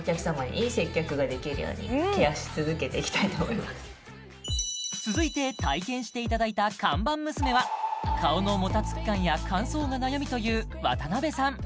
いいなあ続いて体験していただいた看板娘は顔のもたつき感や乾燥が悩みという渡部さん